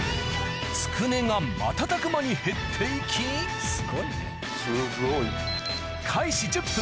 つくねが瞬く間に減って行きすごい。